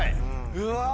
うわ。